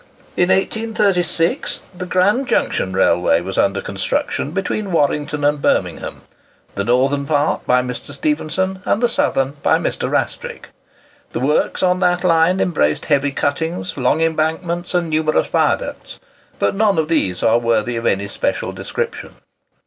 In 1836 the Grand Junction Railway was under construction between Warrington and Birmingham—the northern part by Mr. Stephenson, and the southern by Mr. Rastrick. The works on that line embraced heavy cuttings, long embankments, and numerous viaducts; but none of these are worthy of any special description.